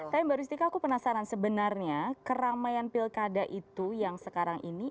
tapi mbak rustika aku penasaran sebenarnya keramaian pilkada itu yang sekarang ini